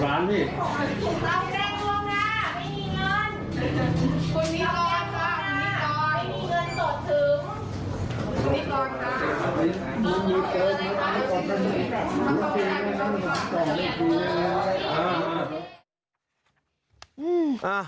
ระเบียงตาตา